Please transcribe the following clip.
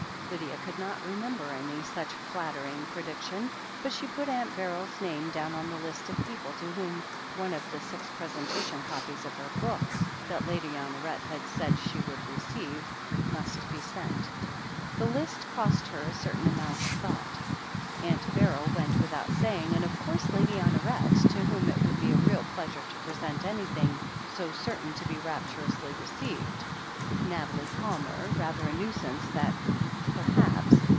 Lydia could not remember any such flattering predic tion, but she put Aunt Beryl's name down on the list of people to whom one of the six presentation copies of her book, that Lady Honoret had said she would re ceive, must be sent. The list cost her a certain amotmt of thought. Aunt Beryl went without saying — ^and of course. Lady Honoret, to whom it would be a real pleasure to present anything so certain to be rapturously received — Nathalie Palmer — ^rather a nuisance, that, perhaps?